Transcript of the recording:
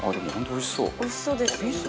おいしそうですよね。